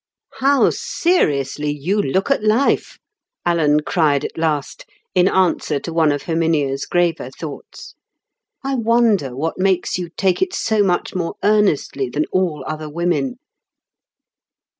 "How seriously you look at life," Alan cried at last, in answer to one of Herminia's graver thoughts. "I wonder what makes you take it so much more earnestly than all other women?"